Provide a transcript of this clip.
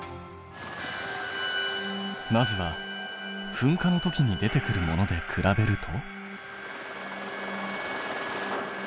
まずは噴火のときに出てくるもので比べると。